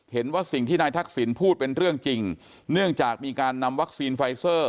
สิ่งที่นายทักษิณพูดเป็นเรื่องจริงเนื่องจากมีการนำวัคซีนไฟเซอร์